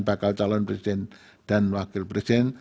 bakal calon presiden dan wakil presiden